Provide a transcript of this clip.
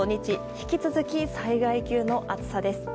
引き続き災害級の暑さです。